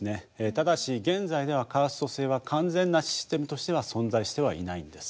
ただし現在ではカースト制は完全なシステムとしては存在してはいないんです。